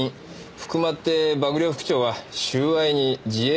福間って幕僚副長は収賄に自衛隊法違反だとさ。